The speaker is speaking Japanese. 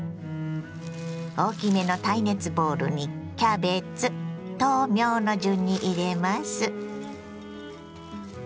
大きめの耐熱ボウルにキャベツ豆苗の順に入れます。